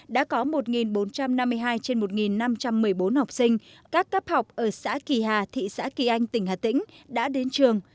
đã có một bốn trăm năm mươi hai trên một năm trăm một mươi bốn học sinh các cấp học ở xã kỳ hà thị xã kỳ anh tỉnh hà tĩnh đã đến trường